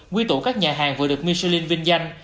quy tụ các nhà hàng vừa được michelin vinh danh